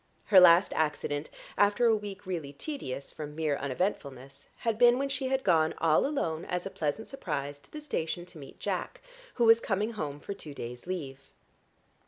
Her last accident, after a week really tedious from mere uneventfulness, had been when she had gone all alone, as a pleasant surprise, to the station to meet Jack, who was coming home for two days' leave.